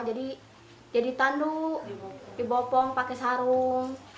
jadi dia ditandu dibopong pakai sarung